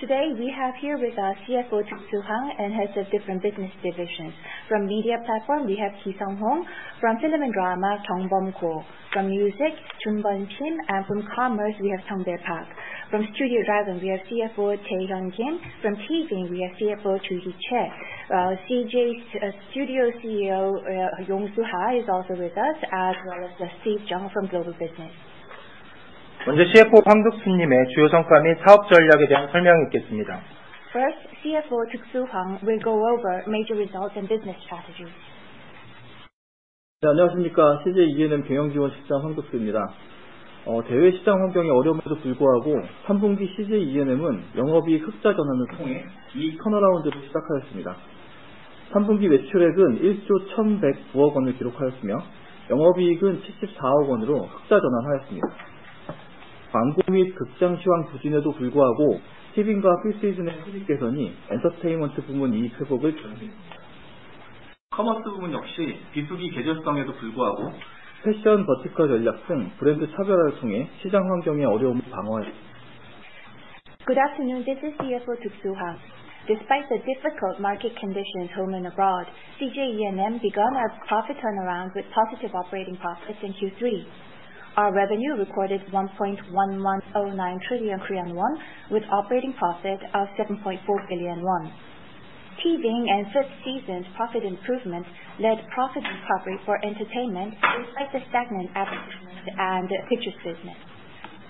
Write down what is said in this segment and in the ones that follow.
Today, we have here with us CFO, Deuksoo Hwang, and heads of different business divisions. From media platform, we have Hee-seong Hong, from film and drama, Jeong Bum Ko, from music, Joon Beom Kim, and from commerce, we have Sung Bae Park. From Studio Dragon, we have CFO, Jae Yong Kim. From TVING, we have CEO, Joo Hee Choi. CJ ENM Studios CEO, Yong Su Ha is also with us, as well as Steve Jung from global business. First, CFO, Deuksoo Hwang will go over major results and business strategies. Good afternoon, this is CFO, Deuksoo Hwang. Despite the difficult market conditions home and abroad, CJ ENM begun our profit turnaround with positive operating profits in Q3. Our revenue recorded 1.1109 trillion Korean won, with operating profit of 7.4 billion won. TVING and Fifth Season profit improvements led profit recovery for entertainment, despite the stagnant advertisement and pictures business.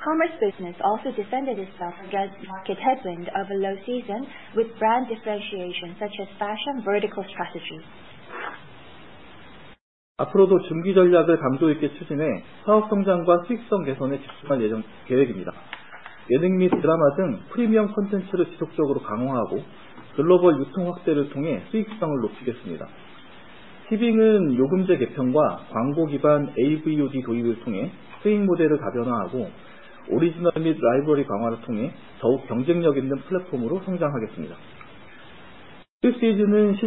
Commerce business also defended itself against market headwind over low season with brand differentiation, such as fashion, vertical strategy. With value-driven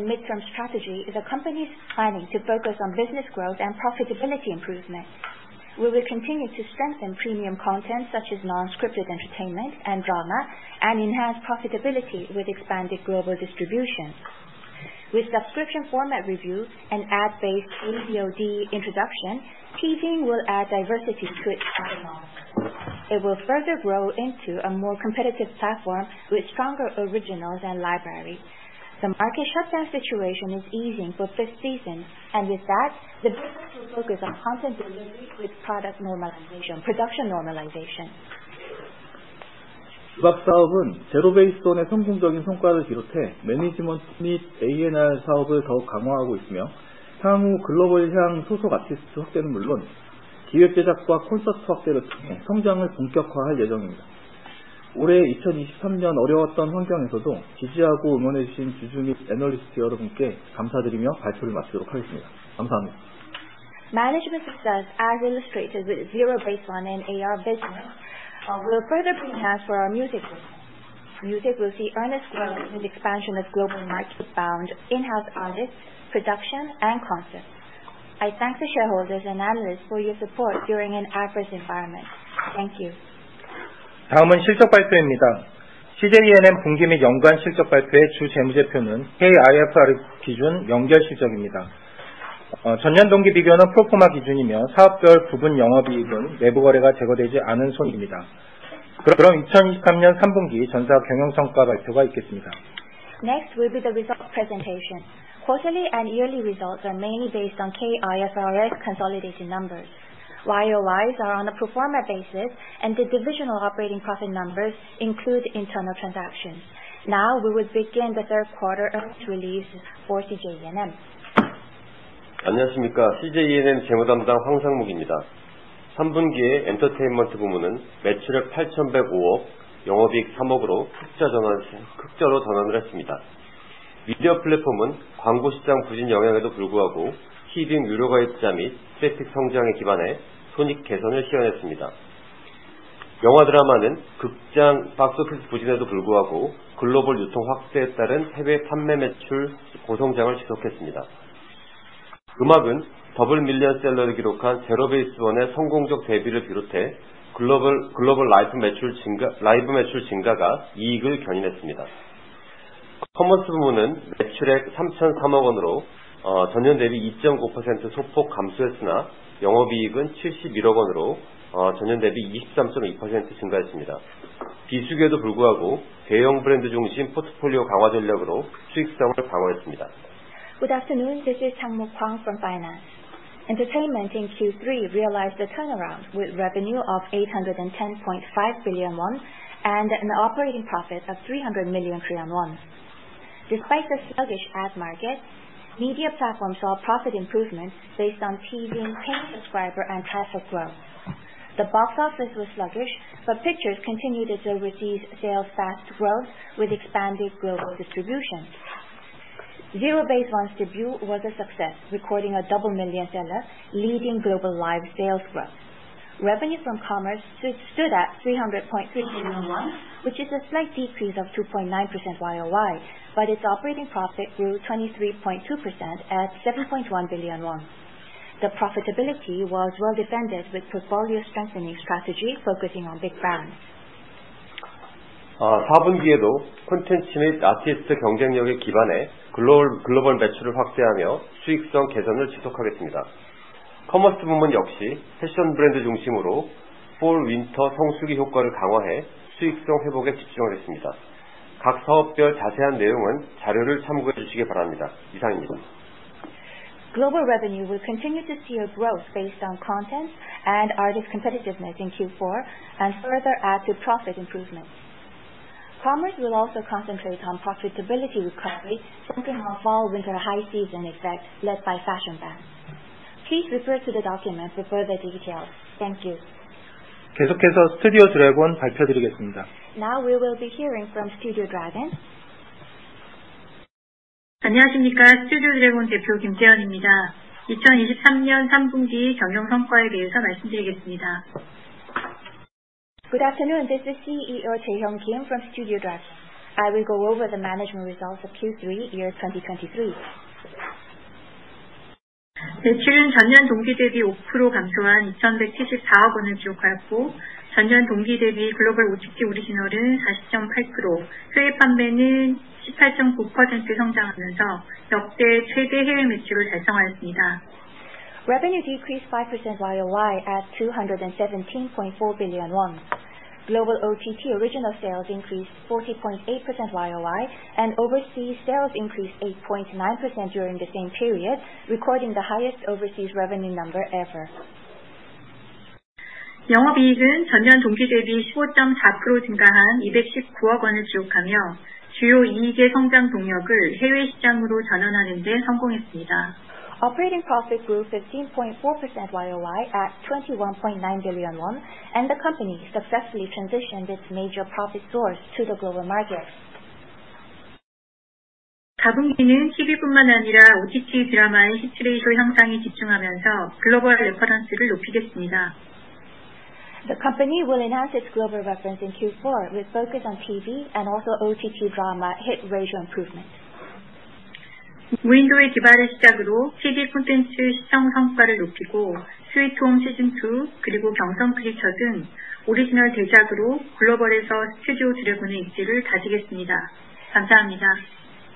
midterm strategy, the company's planning to focus on business growth and profitability improvement. We will continue to strengthen premium content, such as non-scripted entertainment and drama, and enhance profitability with expanded global distribution. With subscription format review and ad-based AVOD introduction, TVING will add diversity to its in-house. It will further grow into a more competitive platform with stronger originals and libraries. The market shutdown situation is easing for Fifth Season, and with that, the business will focus on content delivery with product normalization, production normalization. Management success, as illustrated with ZEROBASEONE and AR business, will further enhance for our music business. Music will see earnest growth with expansion of global markets found in-house artists, production and concerts. I thank the shareholders and analysts for your support during an adverse environment. Thank you. Next will be the result presentation. Quarterly and yearly results are mainly based on K-IFRS consolidation numbers. YOYs are on a pro forma basis, and the divisional operating profit numbers include internal transactions. Now, we will begin the third quarter earnings release for CJ ENM. Good afternoon, this is Chang Mo Hwang from finance. Entertainment in Q3 realized a turnaround with revenue of 810.5 billion won, and an operating profit of 300 million Korean won. Despite the sluggish ad market, media platforms saw profit improvements based on TVING paying subscriber and traffic growth. The box office was sluggish, but pictures continued to receive sales tax growth with expanded global distribution. ZEROBASEONE's debut was a success, recording a double million seller, leading global live sales growth. ...Revenue from commerce stood at 300.3 billion won, which is a slight decrease of 2.9% YOY, but its operating profit grew 23.2% at 7.1 billion won. The profitability was well defended with portfolio strengthening strategy, focusing on big brands. Foreign language. Global revenue will continue to see a growth based on content and artist competitiveness in Q4 and further add to profit improvement. Commerce will also concentrate on profitability recovery, focusing on fall-winter high season effect, led by fashion brands. Please refer to the document for further details. Thank you. 계속해서 Studio Dragon 발표드리겠습니다. Now we will be hearing from Studio Dragon. Good afternoon. This is CEO Jae-hyun Kim from Studio Dragon. I will go over the management results of Q3 year 2023. Revenue decreased 5% YOY at 217.4 billion won. Global OTT original sales increased 40.8% YOY, and overseas sales increased 8.9% during the same period, recording the highest overseas revenue number ever. Operating profit grew 15.4% YOY at 21.9 billion won, and the company successfully transitioned its major profit source to the global market. The company will enhance its global reference in Q4 with focus on TV and also OTT drama hit ratio improvement.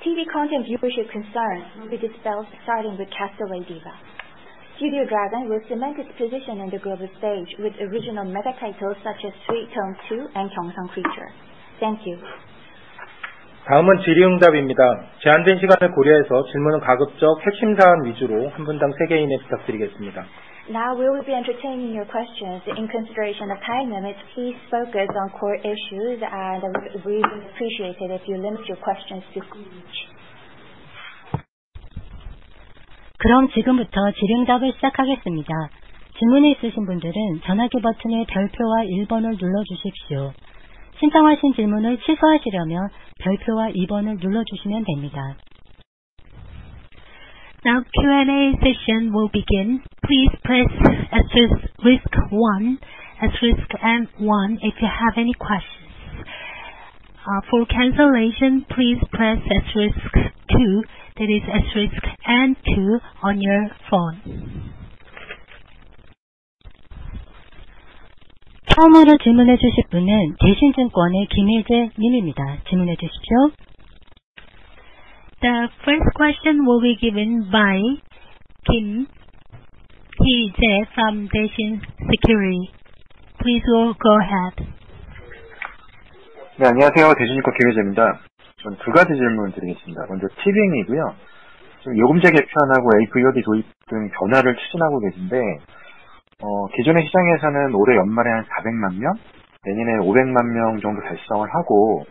TV content viewership concerns will be dispelled starting with Castaway Diva. Studio Dragon will cement its position on the global stage with original mega titles such as Sweet Home 2 and Gyeongseong Creature. Thank you. Now we will be entertaining your questions. In consideration of time limits, please focus on core issues, and we would appreciate it if you limit your questions to each. Now, Q&A session will begin. Please press star one, star then one, if you have any questions. For cancellation, please press star two, that is star then two on your phone. The first question will be given by Kim Hee-jae from Daishin Securities. Please go ahead. Yeah. 안녕하세요, 대신증권 김희재입니다. 저는 두 가지 질문 드리겠습니다. 먼저 TVN이고요. 지금 요금제 개편하고 AVOD 도입 등 변화를 추진하고 계신데, 기존의 시장에서는 올해 연말에 140만 명, 내년에 500만 명 정도 달성을 하고,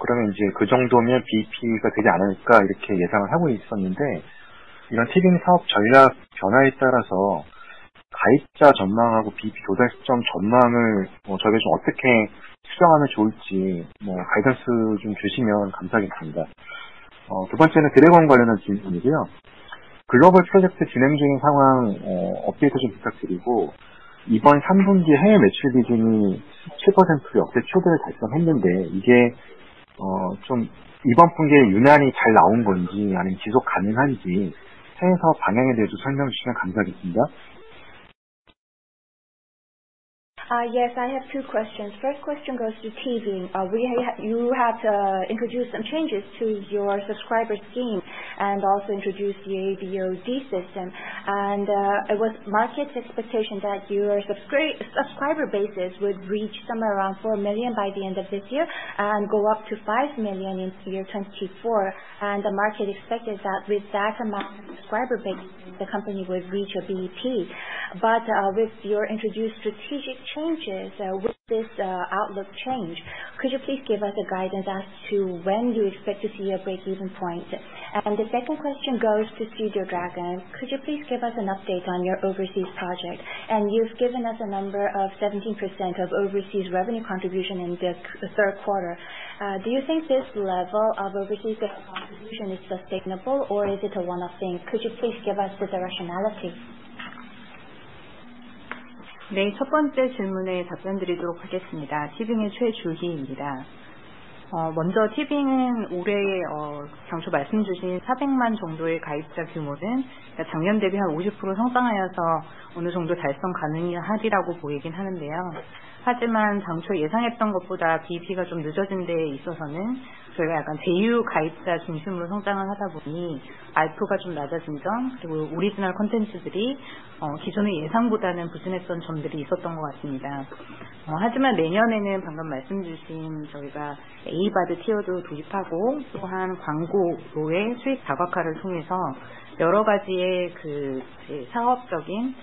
그러면 이제 그 정도면 BEP가 되지 않을까? 이렇게 예상을 하고 있었는데, 이런 TV 사업 전략 변화에 따라서 가입자 전망하고 BEP 도달점 전망을, 저희가 좀 어떻게 수정하면 좋을지, 뭐, 가이던스 좀 주시면 감사하겠습니다. 두 번째는 드래곤 관련한 질문이고요. 글로벌 프로젝트 진행 중인 상황, 업데이트 좀 부탁드리고, 이번 3분기 해외 매출 비중이 7% 역대 최대를 달성했는데, 이게, 좀 이번 분기에 유난히 잘 나온 건지 아니면 지속 가능한지 해외 사업 방향에 대해서 설명해 주시면 감사하겠습니다. Yes, I have two questions. First question goes to TVING. We have, you have, introduced some changes to your subscriber scheme and also introduced the AVOD system, and it was market's expectation that your subscriber bases would reach somewhere around 4 million by the end of this year and go up to 5 million in 2024. And the market expected that with that amount of subscriber base, the company would reach a BEP. But with your introduced strategic changes, will this outlook change? Could you please give us a guidance as to when you expect to see a break-even point? And the second question goes to Studio Dragon. Could you please give us an update on your overseas project? And you've given us a number of 17% of overseas revenue contribution in the third quarter. Do you think this level of overseas revenue contribution is sustainable or is it a one-off thing? Could you please give us the rationale? 네, 첫 번째 질문에 답변드리도록 하겠습니다. 티빙의 최주희입니다. 먼저 티빙은 올해, 당초 말씀해 주신 400만 정도의 가입자 규모는 작년 대비 150% 성장하여서 어느 정도 달성 가능하리라고 보이긴 하는데요. 하지만 당초 예상했던 것보다 BEP가 좀 늦어진 데 있어서는 저희가 약간 제휴 가입자 중심으로 성장을 하다 보니 ARPU가 좀 낮아진 점, 그리고 오리지널 콘텐츠들이, 기존의 예상보다는 부진했던 점들이 있었던 것 같습니다. 하지만 내년에는 방금 말씀해 주신 저희가 AVOD 티어도 도입하고, 또한 광고로의 수익 다각화를 통해서 여러 가지의 사업적인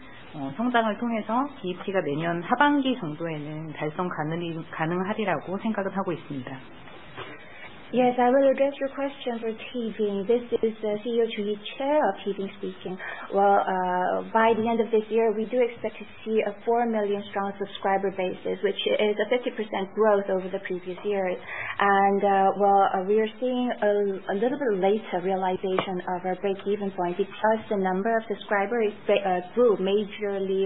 성장을 통해서 BEP가 내년 하반기 정도에는 달성 가능이, 가능하리라고 생각은 하고 있습니다. Yes, I will address your questions for TVING. This is the CEO, Joo Hee Choi of TVING speaking. Well, by the end of this year, we do expect to see a 4 million-strong subscriber basis, which is a 50% growth over the previous years. Well, we are seeing a little bit later realization of our break-even point because the number of subscribers grew majorly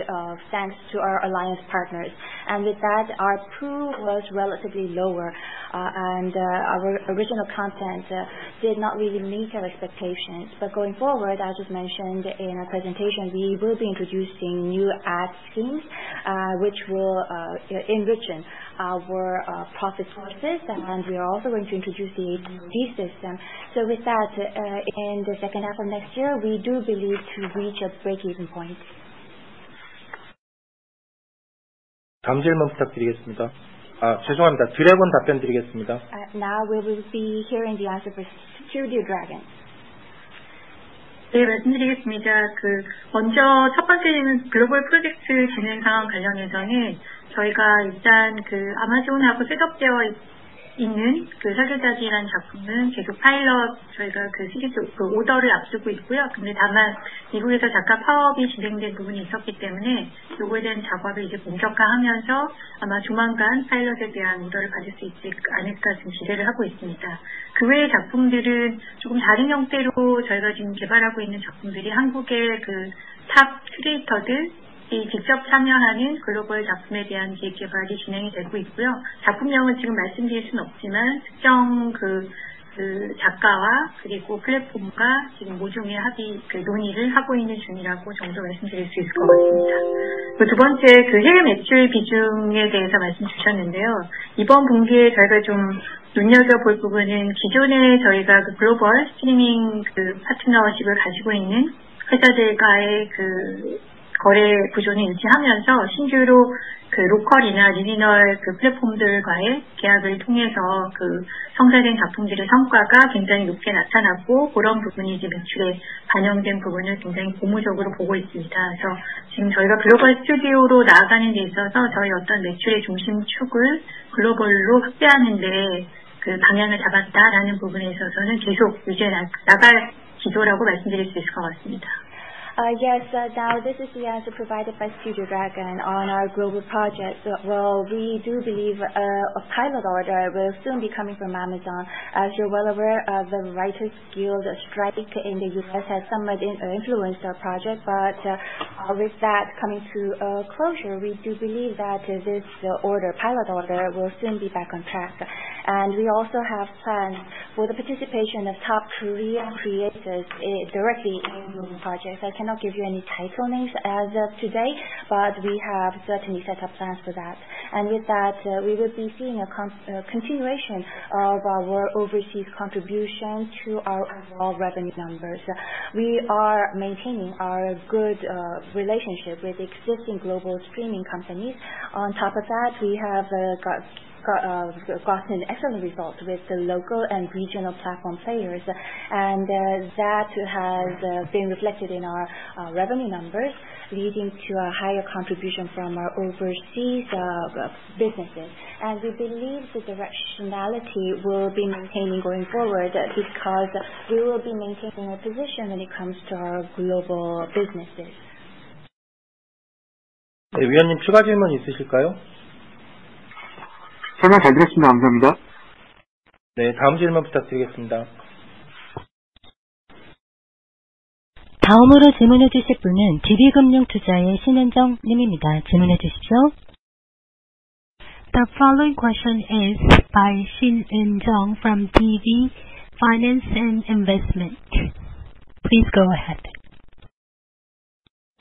thanks to our alliance partners. And with that, ARPU was relatively lower, and our original content did not really meet our expectations. But going forward, as is mentioned in our presentation, we will be introducing new ad schemes, which will enrich in our profit sources, and we are also going to introduce the AD system. With that, in the second half of next year, we do believe to reach a break-even point. 다음 질문 부탁드리겠습니다. 죄송합니다. 드래곤 답변드리겠습니다. Now we will be hearing the answer for Studio Dragon. 네, 말씀드리겠습니다. 먼저 첫 번째는 글로벌 프로젝트 진행 상황 관련해서는 저희가 일단 그 아마존하고 셋업되어 있는 그 설계자이란 작품은 계속 파일럿 저희가 그 시즌 오더를 앞두고 있고요. 근데 다만 미국에서 작가 파업이 진행된 부분이 있었기 때문에 이거에 대한 작업을 이제 본격화하면서 아마 조만간 파일럿에 대한 오더를 가질 수 있지 않을까 지금 기대를 하고 있습니다. 그 외의 작품들은 조금 다른 형태로 저희가 지금 개발하고 있는 작품들이 한국의 그탑 크리에이터들이 직접 참여하는 글로벌 작품에 대한 기획 개발이 진행이 되고 있고요. 작품명은 지금 말씀드릴 수는 없지만, 특정 작가와 그리고 플랫폼과 지금 모종의 합의 논의를 하고 있는 중이라고 정도 말씀드릴 수 있을 것 같습니다. 그리고 두 번째, 해외 매출 비중에 대해서 말씀 주셨는데요. 이번 분기에 저희가 좀 눈여겨볼 부분은 기존에 저희가 글로벌 스트리밍 그 파트너십을 가지고 있는 회사들과의 그 거래 구조는 유지하면서 신규로 그 로컬이나 오리지널 그 플랫폼들과의 계약을 통해서 그 성사된 작품들의 성과가 굉장히 높게 나타났고, 그런 부분이 이제 매출에 반영된 부분을 굉장히 고무적으로 보고 있습니다. 그래서 지금 저희가 글로벌 스튜디오로 나아가는 데 있어서 저희의 어떤 매출의 중심축을 글로벌로 확대하는 데에 그 방향을 잡았다라는 부분에 있어서는 계속 유지해 나갈 기조라고 말씀드릴 수 있을 것 같습니다. Yes. So now this is the answer provided by Studio Dragon on our global projects. Well, we do believe a pilot order will soon be coming from Amazon. As you're well aware, the Writers Guild strike in the U.S. has somewhat influenced our project, but with that coming to a closure, we do believe that this order, pilot order, will soon be back on track. And we also have plans for the participation of top Korean creators directly in global projects. I cannot give you any title names as of today, but we have certainly set up plans for that. And with that, we will be seeing a continuation of our overseas contribution to our overall revenue numbers. We are maintaining our good relationship with existing global streaming companies. On top of that, we have gotten excellent results with the local and regional platform players, and that has been reflected in our revenue numbers, leading to a higher contribution from our overseas businesses. And we believe the directionality will be maintained going forward, because we will be maintaining our position when it comes to our global businesses. 네, 위원님, 추가 질문 있으실까요? 설명 잘 들었습니다. 감사합니다. 네, 다음 질문 부탁드리겠습니다. 다음으로 질문해 주실 분은 DB금융투자의 신은정 님입니다. 질문해 주시죠. The following question is by Eun-jung Shin from DB Financial Investment. Please go ahead.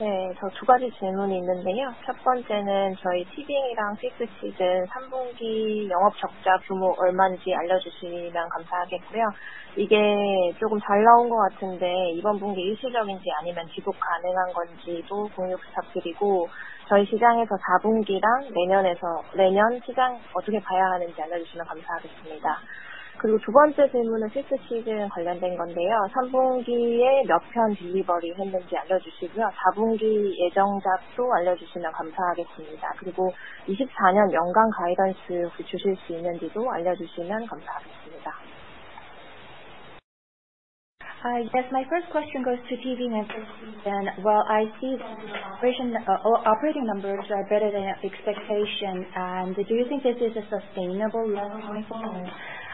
네, 저두 가지 질문이 있는데요. 첫 번째는 저희 티빙이랑 피프스 시즌 3분기 영업적자 규모 얼마인지 알려주시면 감사하겠고요. 이게 조금 잘 나온 것 같은데 이번 분기 일시적인지 아니면 지속 가능한 건지도 공유 부탁드리고, 저희 시장에서 4분기랑 내년에서... 내년 시장 어떻게 봐야 하는지 알려주시면 감사하겠습니다. 그리고 두 번째 질문은 피프스 시즌 관련된 건데요. 3분기에 몇편 딜리버리 했는지 알려주시고요, 4분기 예정작도 알려주시면 감사하겠습니다. 그리고 2024년 연간 가이드라인을 주실 수 있는지도 알려주시면 감사하겠습니다. Hi, yes, my first question goes to TV and then, well, I see the operating numbers are better than expectation. Do you think this is a sustainable long-term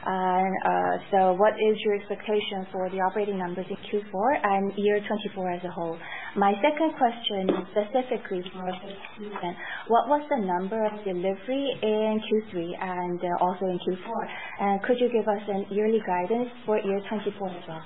phenomenon? So what is your expectation for the operating numbers in Q4 and 2024 as a whole? My second question specifically for Fifth Season, what was the number of deliveries in Q3 and also in Q4? And could you give us a yearly guidance for 2024 as well?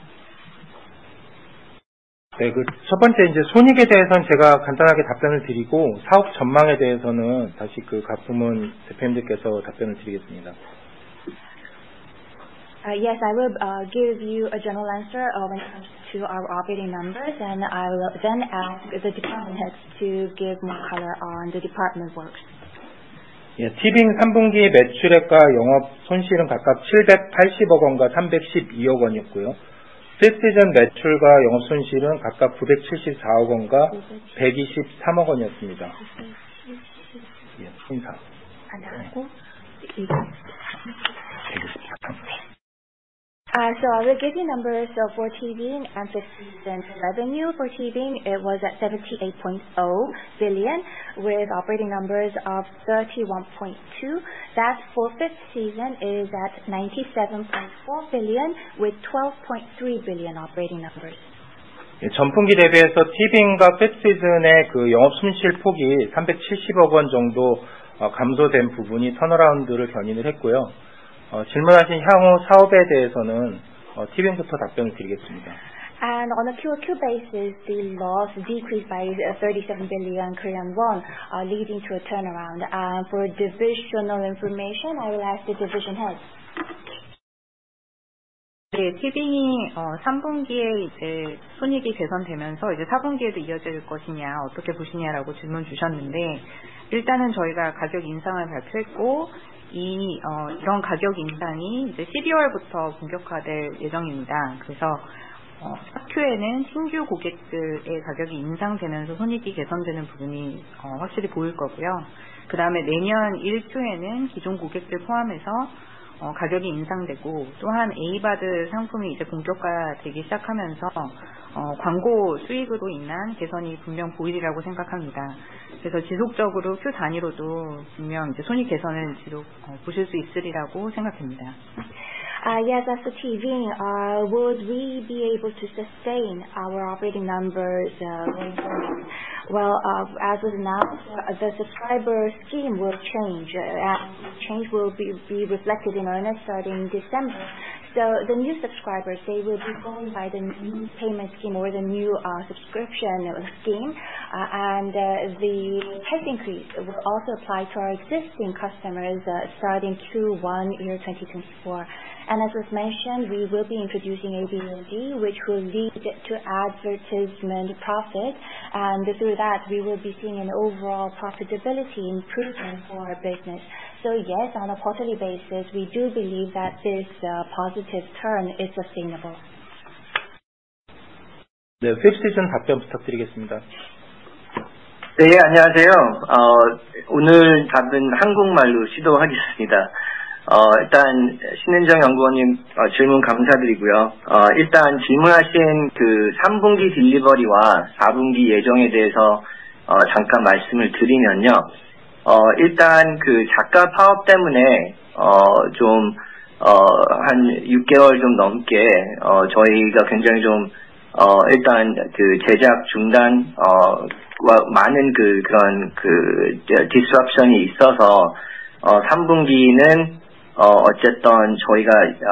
Yes, I will give you a general answer when it comes to our operating numbers, and I will then ask the department heads to give more color on the department works. Yeah, TV. I will give you numbers for TV and Fifth Season revenue. For TV, it was at 78.0 billion, with operating numbers of 31.2 billion. That for Fifth Season is at 97.4 billion, with KRW 12.3 billion operating numbers. Inaudible TV inaudible. On a pure Q basis, the loss decreased by KRW 37 billion, leading to a turnaround. For divisional information, I will ask the division heads. Yes, as for TV, would we be able to sustain our operating numbers, going forward? Well, as of now, the subscriber scheme will change. Change will be reflected in earnings starting December. So the new subscribers, they will be going by the new payment scheme or the new subscription scheme, and the price increase will also apply to our existing customers, starting Q1 2024. And as was mentioned, we will be introducing AVOD, which will lead to advertisement profit, and through that, we will be seeing an overall profitability improvement for our business. So yes, on a quarterly basis, we do believe that this positive turn is sustainable. The Fifth Season. Yeah, 안녕하세요. 오늘 답변 한국말로 시도하겠습니다. 일단 신은정 연구원님, 질문 감사드리고요. 일단 질문하신 그 3분기 delivery와 4분기 예정에 대해서, 잠깐 말씀을 드리면요. 일단 그 작가 파업 때문에, 좀, 한육 개월 좀 넘게, 저희가 굉장히 좀, 일단 그 제작 중단, 와 많은 그, 그런 그 disruption이 있어서, 3분기는, 어쨌든 저희가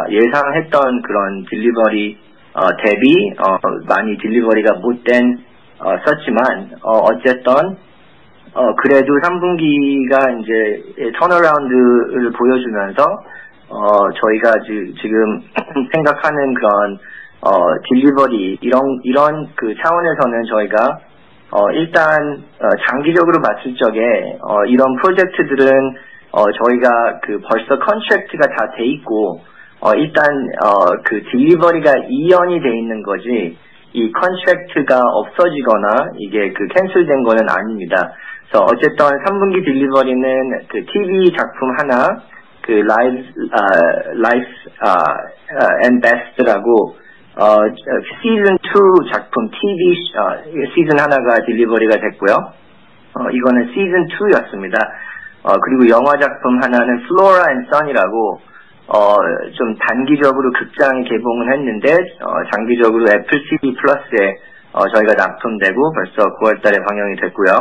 예상했던 그런 delivery, 대비, 많이 delivery가 못 된, 었었지만, 어쨌든, 그래도 3분기가 이제 turnaround를 보여주면서, 저희가 지금 생각하는 그런, delivery 이런, 이런 그 차원에서는 저희가, 일단 장기적으로 봤을 때, 이런 프로젝트들은, 저희가 그 벌써 contract가 다돼 있고, 일단, 그 delivery가 이연이 돼 있는 거지, 이 contract가 없어지거나 이게 그 cancel된 거는 아닙니다. So 어쨌든 3분기 delivery는 그 TV 작품 하나, 그 Life & Beth라고, season 2 작품, TV season 하나가 delivery가 됐고요. 이거는 season 2였습니다. 그리고 영화 작품 하나는 Flora and Son라고, 좀 단기적으로 극장 개봉을 했는데, 장기적으로 Apple TV+에, 저희가 낙점되고 벌써 9월에 방영이 됐고요.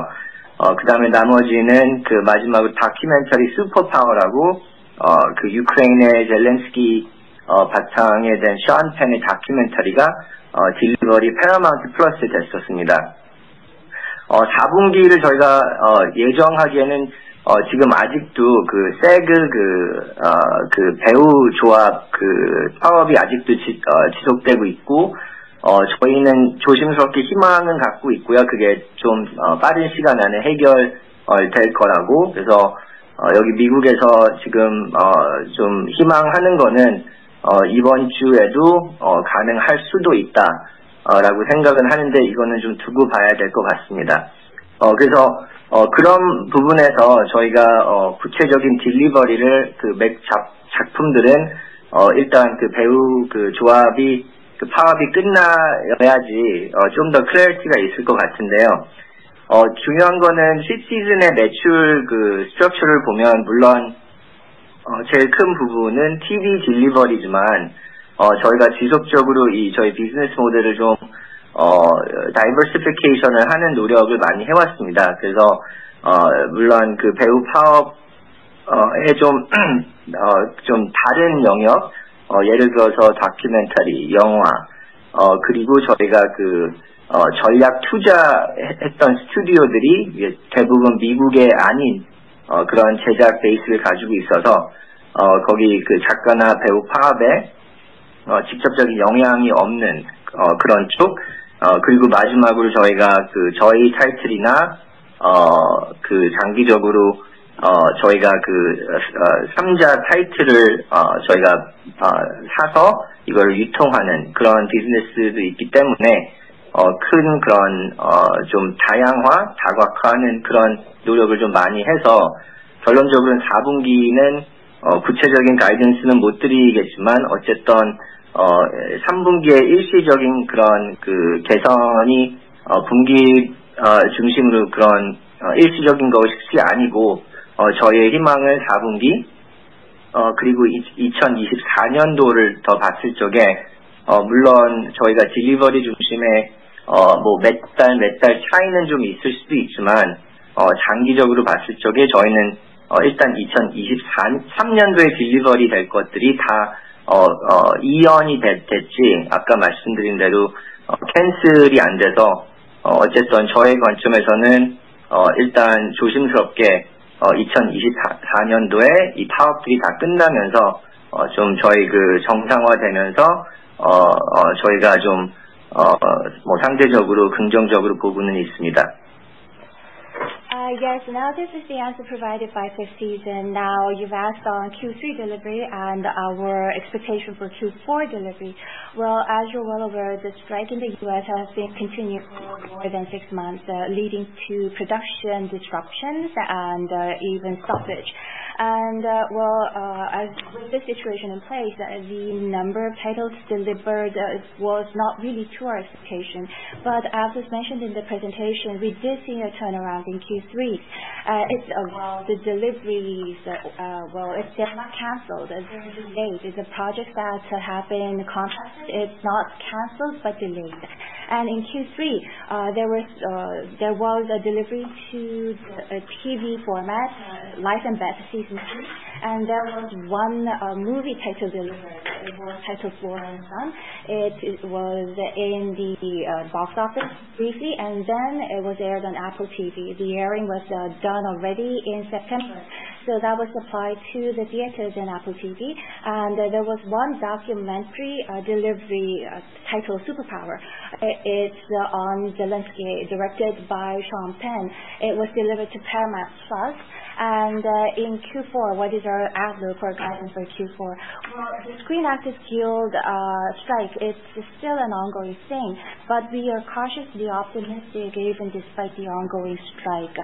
그다음에 나머지는 그 마지막으로 다큐멘터리 Superpower라고, 그 Ukraine의 Zelenskyy, 바탕에 대한 Sean Penn의 다큐멘터리가, delivery Paramount+ 됐었습니다. 4분기를 저희가, 예정하기에는, 지금 아직도 그 SAG, 그, 그 배우 조합, 그 파업이 아직도 지속되고 있고, 저희는 조심스럽게 희망은 갖고 있고요, 그게 좀, 빠른 시간 안에 해결, 될 거라고. 그래서, 여기 미국에서 지금, 좀 희망하는 거는, 이번 주에도, 가능할 수도 있다, 라고 생각은 하는데 이거는 좀 두고 봐야 될것 같습니다. 그래서, 그런 부분에서 저희가, 구체적인 delivery를 그몇 작품들은, 일단 그 배우 그 조합이 그 파업이 끝나야지, 좀더 clarity가 있을 것 같은데요. 중요한 거는 Fifth Season의 매출 그 structure를 보면 물론, 제일 큰 부분은 TV delivery지만, 저희가 지속적으로 이 저희 business model을 좀 diversification을 하는 노력을 많이 해왔습니다. 그래서 물론 그 배우 파업, 에좀 다른 영역, 예를 들어서 다큐멘터리, 영화, 그리고 저희가 그, 전략 투자 했던 스튜디오들이 대부분 미국에 아닌, 그런 제작 베이스를 가지고 있어서, 거기 그 작가나 배우 파업에, 직접적인 영향이 없는, 그런 축. 그리고 마지막으로 저희 타이틀이나, 장기적으로 저희가 삼자 타이틀을 사서 이걸 유통하는 그런 비즈니스도 있기 때문에, 좀 다양화, 다각화하는 그런 노력을 많이 해서 결론적으로는 4분기는 구체적인 가이던스는 못 드리겠지만, 어쨌든 3분기에 일시적인 그런 개선이 분기 중심으로 그런 일시적인 것이 아니고, 저희의 희망은 4분기 그리고 2024년도를 더 봤을 때에, 물론 저희가 딜리버리 중심의 뭐몇달몇달 차이는 좀 있을 수도 있지만, 장기적으로 봤을 때에 저희는 일단 2023년도에 딜리버리 될 것들이 다 이연이 됐지, 아까 말씀드린 대로 캔슬이 안 돼서 어쨌든 저희 관점에서는 일단 조심스럽게 2024년도에 이 파업들이 다 끝나면서 좀 저희 그 정상화되면서 저희가 좀뭐 상대적으로 긍정적으로 보고는 있습니다. Yes, now this is the answer provided by Fifth Season. Now, you've asked on Q3 delivery and our expectation for Q4 delivery. Well, as you're well aware, the strike in the U.S. has been continuing for more than six months, leading to production disruptions and even stoppage. Well, as with the situation in place, the number of titles delivered, it was not really to our expectation. But as is mentioned in the presentation, we did see a turnaround in Q3. Well, the deliveries, well, it's still not canceled. It's a project that happened in contract. It's not canceled, but delayed. And in Q3, there was a delivery to a TV format, Life & Beth Season Three, and there was one movie title delivered. It was titled Flora and Son. It was in the box office briefly, and then it was aired on Apple TV+. The airing was done already in September, so that was applied to the theaters and Apple TV+. And there was one documentary delivery titled Superpower. It's on Zelenskyy, directed by Sean Penn. It was delivered to Paramount+. And in Q4, what is our outlook for guidance for Q4? Well, the Screen Actors Guild strike, it's still an ongoing thing, but we are cautiously optimistic, even despite the ongoing strike.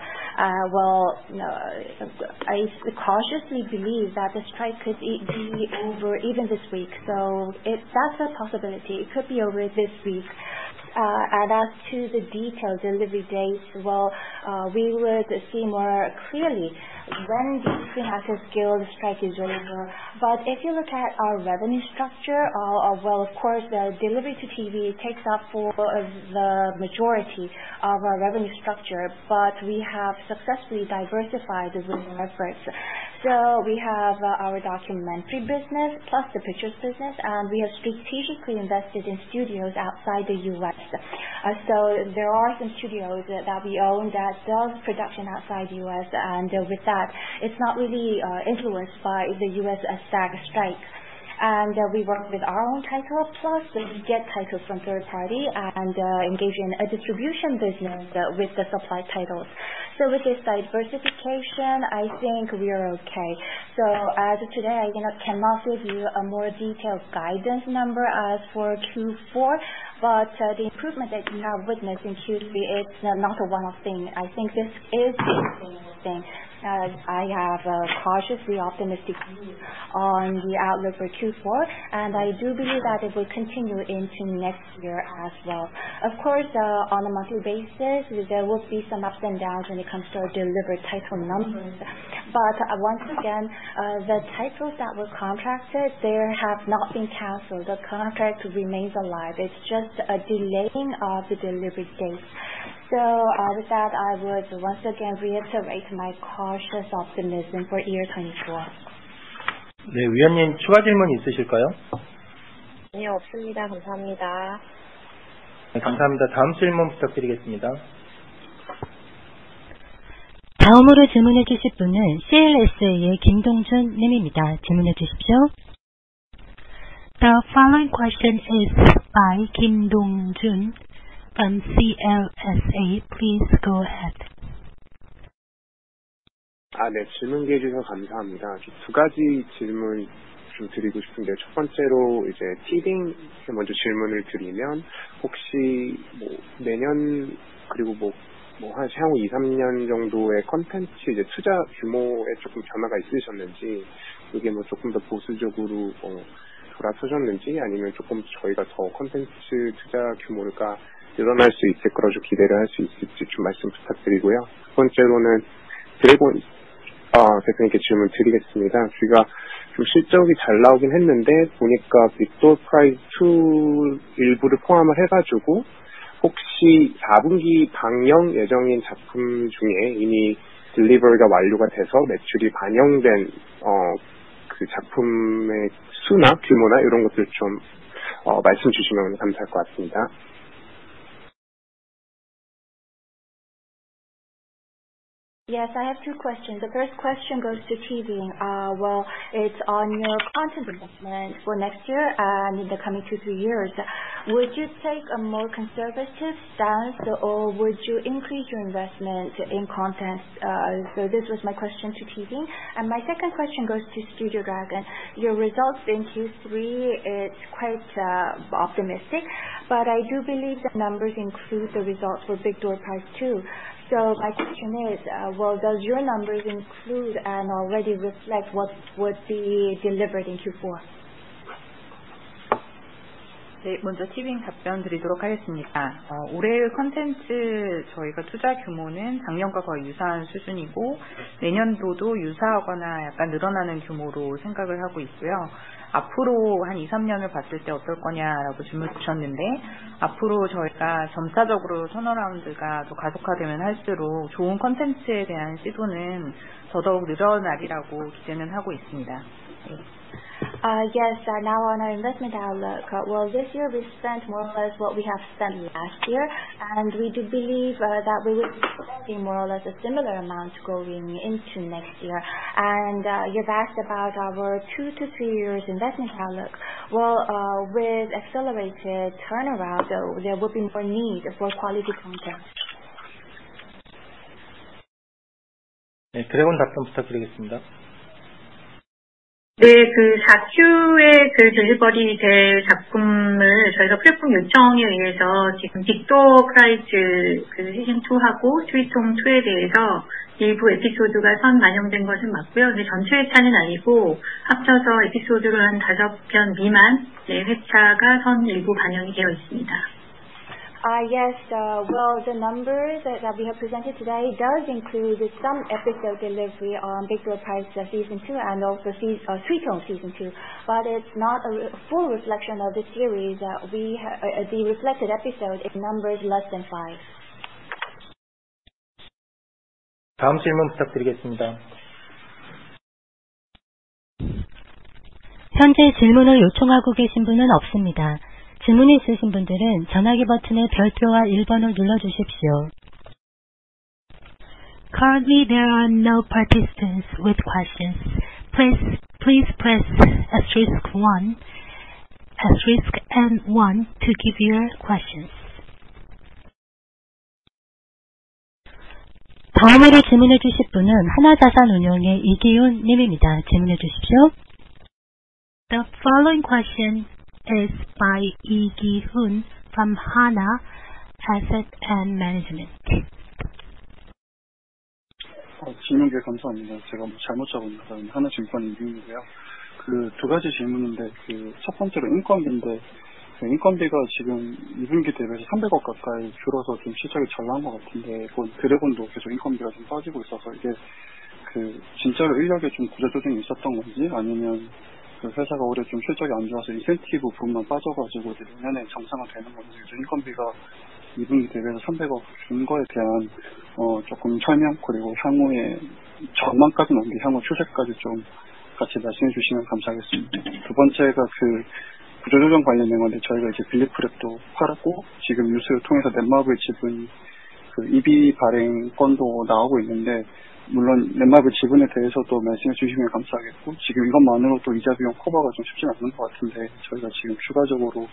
Well, I cautiously believe that the strike could be over even this week, so it's... That's a possibility. It could be over this week. And as to the details, delivery dates, well, we would see more clearly when the Screen Actors Guild strike is over. But if you look at our revenue structure, well, of course, the delivery to TV takes up for the majority of our revenue structure, but we have successfully diversified as an effort. So we have our documentary business, plus the pictures business, and we have strategically invested in studios outside the U.S. So there are some studios that we own that build production outside the U.S., and with that, it's not really influenced by the U.S. SAG strike. And we work with our own title, plus we get titles from third party and engage in a distribution business with the supplied titles. So with this diversification, I think we are okay. So as of today, I cannot, cannot give you a more detailed guidance number as for Q4, but, the improvement that you have witnessed in Q3, it's not a one-off thing. I think this is the same thing. I have a cautiously optimistic view on the outlook for Q4, and I do believe that it will continue into next year as well. Of course, on a monthly basis, there will be some ups and downs when it comes to delivered title numbers. But once again, the titles that were contracted, they have not been canceled. The contract remains alive. It's just a delaying of the delivery date. So, with that, I would once again reiterate my cautious optimism for year 2024. 네, 의원님, 추가 질문 있으실까요? 네, 없습니다. 감사합니다. 감사합니다. 다음 질문 부탁드리겠습니다. 다음으로 질문해 주실 분은 CLSA의 김동준 님입니다. 질문해 주십시오. The following question is by Kim Dong Jun from CLSA. Please go ahead. ...아, 네. 질문해 주셔서 감사합니다. 두 가지 질문 좀 드리고 싶은데, 첫 번째로 이제 TVING에 먼저 질문을 드리면, 혹시 내년 그리고 향후 삼년 정도의 콘텐츠 투자 규모에 조금 변화가 있으셨는지, 이게 조금 더 보수적으로 돌아서셨는지, 아니면 조금 저희가 더 콘텐츠 투자 규모가 늘어날 수 있을 그런 기대를 할수 있을지 좀 말씀 부탁드리고요. 두 번째로는 드래곤 대표님께 질문 드리겠습니다. 저희가 좀 실적이 잘 나오긴 했는데 보니까 빅도어 프라이즈 투 일부를 포함을 해가지고 혹시 사분기 방영 예정인 작품 중에 이미 딜리버리가 완료가 돼서 매출이 반영된 그 작품의 수나 규모나 이런 것들 좀 말씀해 주시면 감사할 것 같습니다. Yes, I have two questions. The first question goes to TVING. Well, it's on your content investment for next year, and in the coming 2, 3 years. Would you take a more conservative stance or would you increase your investment in content? So this was my question to TVING, and my second question goes to Studio Dragon. Your results in Q3, it's quite optimistic, but I do believe the numbers include the results for Big Door Prize 2. So my question is, well, does your numbers include and already reflect what would be delivered in Q4? 네, 먼저 TVING 답변 드리도록 하겠습니다. 올해 콘텐츠 저희가 투자 규모는 작년과 거의 유사한 수준이고, 내년도도 유사하거나 약간 늘어나는 규모로 생각을 하고 있고요. 앞으로 1, 2, 3년을 봤을 때 어떨 거냐라고 질문 주셨는데, 앞으로 저희가 점차적으로 턴어라운드가 더 가속화되면 할수록 좋은 콘텐츠에 대한 시도는 더더욱 늘어나리라고 기대는 하고 있습니다. Yes, now on our investment outlook. Well, this year we spent more or less what we have spent last year, and we do believe that we will be spending more or less a similar amount going into next year. You asked about our 2-3-year investment outlook. Well, with accelerated turnaround, though, there will be more need for quality content. 네, 드래곤, 답변 부탁드리겠습니다. 네, 그 4Q의 그 딜리버리 될 작품을 저희가 플랫폼 요청에 의해서 지금 빅 도어 프라이즈 그 시즌 2하고 스위트 홈 2에 대해서 일부 에피소드가 선반영된 것은 맞고요. 근데 전체 회차는 아니고 합쳐서 에피소드는 한 5편 미만 회차가 선 일부 반영이 되어 있습니다. Yes, well, the numbers that we have presented today does include some episode delivery on Big Door Prize season two, and also Sweet Home season two. But it's not a full reflection of the series. We have the reflected episode is numbered less than five. 다음 질문 부탁드리겠습니다. 현재 질문을 요청하고 계신 분은 없습니다. 질문이 있으신 분들은 전화기 버튼의 별표와 일 번을 눌러주십시오. Currently, there are no participants with questions. Please, please press asterisk one... asterisk and one to give your questions. 다음으로 질문해주실 분은 하나자산운용의 이기훈 님입니다. 질문해 주십시오. The following question is by Ki-hoon Lee from Hana Securities. 질문 감사합니다. 제가 잘못 잡았나 봐요. 하나증권 이기훈이고요. 두 가지 질문인데, 첫 번째로 인건비인데, 인건비가 지금 이번 분기 대비 KRW 30억 가까이 줄어서 좀 실적이 잘 나온 것 같은데, Studio Dragon도 계속 인건비가 좀 빠지고 있어서 이게 진짜로 인력이 좀 구조조정이 있었던 건지, 아니면 회사가 올해 좀 실적이 안 좋아서 인센티브 부분만 빠져가지고 내년에 정상화되는 건지, 요즘 인건비가 이번 분기 대비해서 KRW 30억 준 거에 대한 설명 그리고 향후에 전망까지, 향후 추세까지 좀 같이 말씀해 주시면 감사하겠습니다. 두 번째가 구조조정 관련되어 있는데, 저희가 이제 빌리프랩도 팔았고, 지금 뉴스를 통해서 Netmarble 지분 그 EB 발행 건도 나오고 있는데, 물론 Netmarble 지분에 대해서도 말씀해 주시면 감사하겠고, 지금 이것만으로도 이자 비용 커버가 좀 쉽지는 않은 것 같은데, 저희가 지금 추가적으로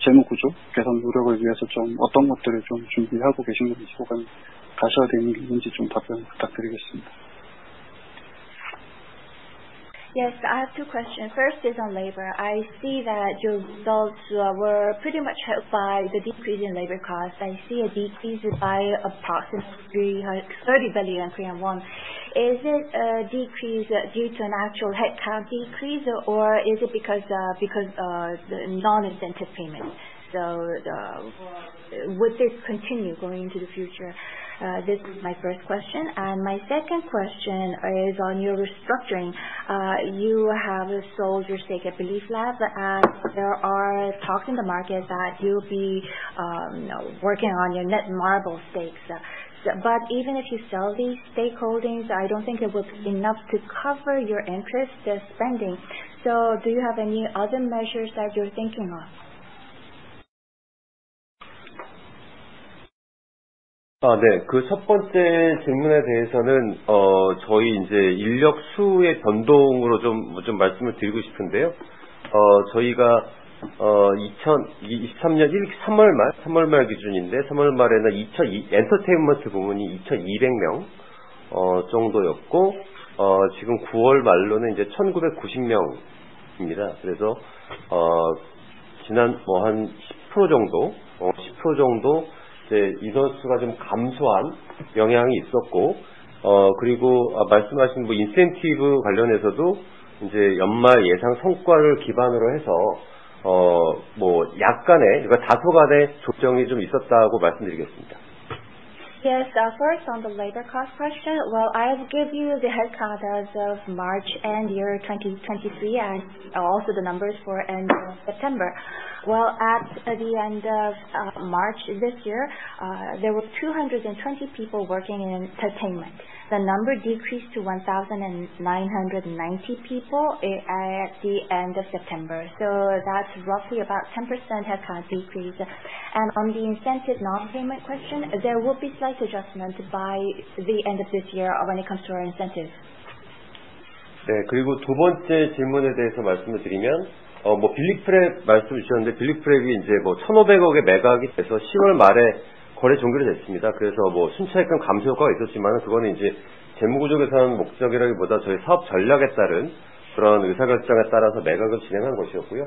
재무구조 개선 노력을 위해서 어떤 것들을 준비하고 계시는지 소관 가셔야 되는지 답변 부탁드리겠습니다. Yes, I have two questions. First is on labor. I see that your results were pretty much helped by the decrease in labor costs. I see a decrease by approximately 30 billion Korean won. Is it decrease due to an actual headcount decrease, or is it because because non-incentive payment? Would this continue going into the future? This is my first question, and my second question is on your restructuring. You have sold your stake at BELIFT LAB, and there are talks in the market that you'll be working on your Netmarble stakes. But even if you sell these stakeholdings, I don't think it was enough to cover your interest, the spending. So do you have any other measures that you're thinking of? 네, 그첫 번째 질문에 대해서는, 저희 이제 인력수의 변동으로 좀 말씀을 드리고 싶은데요. ...저희가 2023년 3월 말 기준인데 3월 말에는 엔터테인먼트 부문이 2,200명 정도였고, 지금 9월 말로는 이제 1,999명입니다. 그래서 지난 한 10% 정도 인원수가 좀 감소한 영향이 있었고, 그리고 말씀하신 인센티브 관련해서도 이제 연말 예상 성과를 기반으로 해서 약간의 다소간의 조정이 좀 있었다고 말씀드리겠습니다. Yes, first, on the labor cost question. Well, I'll give you the head count as of March, end of 2023, and also the numbers for end of September. Well, at the end of March this year, there were 220 people working in entertainment. The number decreased to 1,990 people at the end of September. So that's roughly about 10% headcount decrease. And on the incentive non-payment question, there will be slight adjustments by the end of this year when it comes to our incentive. 네, 그리고 두 번째 질문에 대해서 말씀을 드리면, 빌리프랩 말씀해 주셨는데, 빌리프랩이 이제 KRW 1,500억에 매각이 돼서 10월 말에 거래 종결이 됐습니다. 그래서 순차익은 감소 효과가 있었지만, 그거는 이제 재무구조 개선 목적이라기보다 저희 사업 전략에 따른 그런 의사결정에 따라서 매각을 진행한 것이었고요.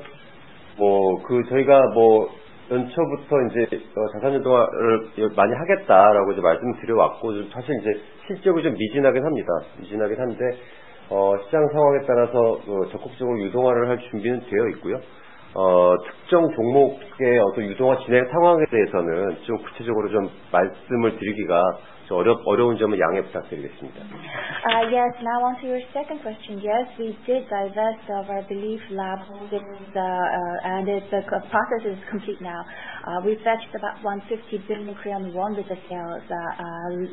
그 저희가 연초부터 이제 자산유동화를 많이 하겠다라고 이제 말씀드려왔고, 사실 이제 실적이 좀 미진하긴 합니다. 미진하긴 한데, 시장 상황에 따라서 그 적극적으로 유동화를 할 준비는 되어 있고요. 특정 종목의 어떤 유동화 진행 상황에 대해서는 좀 구체적으로 좀 말씀을 드리기가 좀 어려운 점을 양해 부탁드리겠습니다. Yes. Now on to your second question. Yes, we did divest of our BELIFT LAB, and the process is complete now. We fetched about 150 billion Korean won with the sale,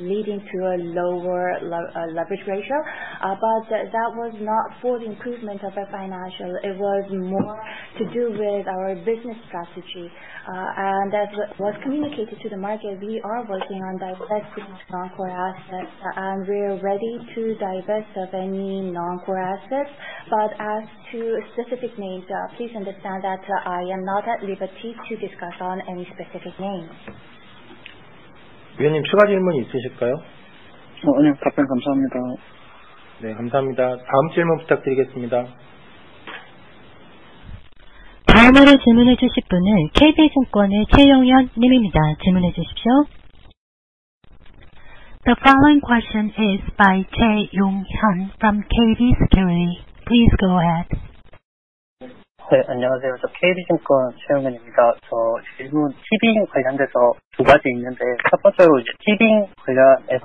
leading to a lower leverage ratio. But that was not for the improvement of our financial. It was more to do with our business strategy. And as was communicated to the market, we are working on divesting non-core assets, and we are ready to divest of any non-core assets. But as to specific names, please understand that I am not at liberty to discuss on any specific names. 위원님, 추가 질문 있으실까요? 네. 답변 감사합니다. 네, 감사합니다. 다음 질문 부탁드리겠습니다. 다음으로 질문해 주실 분은 KB증권의 최용현 님입니다. 질문해 주십시오. The following question is by Yong Hyun Choi from KB Securities. Please go ahead. 네, 안녕하세요. 저 KB증권 최용현입니다. 제 질문 티빙 관련돼서 두 가지 있는데, 첫 번째로 이제 티빙 관련해서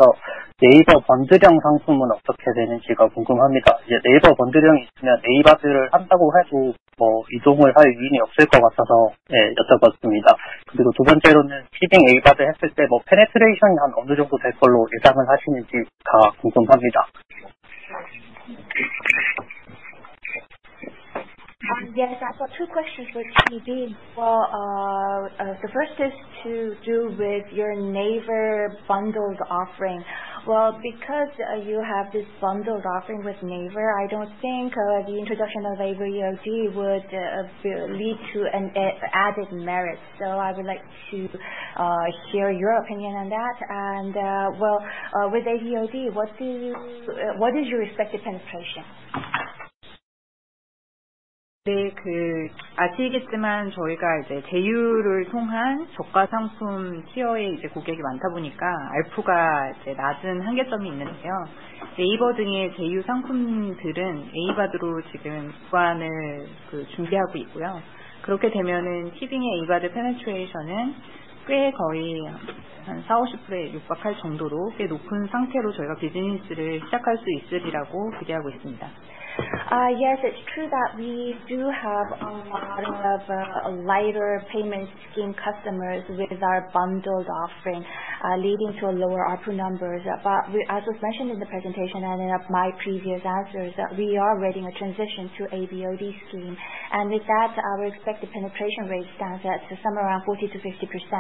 네이버 번들형 상품은 어떻게 되는지가 궁금합니다. 이제 네이버 번들형이 있으면 AVOD를 한다고 해도 뭐 이동을 할 이유가 없을 것 같아서 예, 여쭤봤습니다. 그리고 두 번째로는 티빙 AVOD 했을 때뭐 페네트레이션이 어느 정도 될 것으로 예상을 하시는지가 궁금합니다. Yes, I've got two questions for TVING. Well, the first is to do with your Naver bundles offering. Well, because you have this bundles offering with Naver, I don't think the introduction of AVOD would lead to an added merit. So I would like to hear your opinion on that. And with AVOD, what do you... what is your expected penetration? 네, 그 아시겠지만, 저희가 이제 제휴를 통한 저가 상품 티어의 이제 고객이 많다 보니까 알프가 이제 낮은 한계점이 있는데요. 네이버 등의 제휴 상품들은 AVOD로 지금 구간을 그 준비하고 있고요. 그렇게 되면은 티빙의 AVOD 페네트레이션은 꽤 거의 한 사오십프로에 육박할 정도로 꽤 높은 상태로 저희가 비즈니스를 시작할 수 있으리라고 기대하고 있습니다. Yes, it's true that we do have a lot of lighter payment scheme customers with our bundled offering, leading to a lower output numbers. But we, as was mentioned in the presentation and in my previous answers, that we are awaiting a transition to AVOD scheme, and with that, our expected penetration rate stands at somewhere around 40%-50%.